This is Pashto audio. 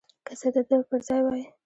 که زه د ده پر ځای وای.